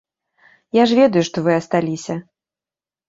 Я ж ведаю, што вы асталіся.